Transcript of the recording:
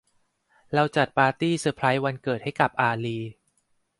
เราจัดปาร์ตี้เซอร์ไพร์ซวันเกิดให้กับอาลิ